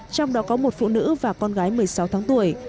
trong đó có một phụ nữ và con gái một mươi sáu tháng tuổi